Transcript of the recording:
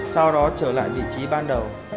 sau đó trở lại vị trí ban đầu